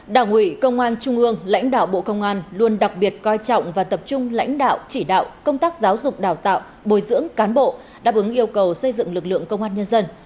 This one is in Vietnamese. đảng ủy công an trung ương lãnh đạo bộ công an luôn đặc biệt coi trọng và tập trung lãnh đạo chỉ đạo công tác giáo dục đào tạo bồi dưỡng cán bộ đáp ứng yêu cầu xây dựng lực lượng công an nhân dân